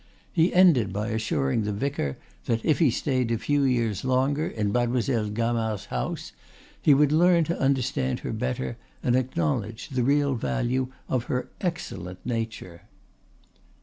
He ended by assuring the vicar that "if he stayed a few years longer in Mademoiselle Gamard's house he would learn to understand her better and acknowledge the real value of her excellent nature."